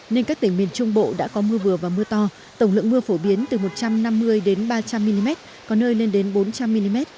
nên các tỉnh miền trung bộ đã có mưa vừa và mưa to tổng lượng mưa phổ biến từ một trăm năm mươi đến ba trăm linh mm có nơi lên đến bốn trăm linh mm